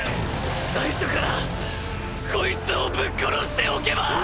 最初からこいつをぶっ殺しておけば！！